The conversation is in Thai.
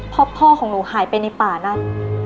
พ่อของหนูหายไปในป่านั้น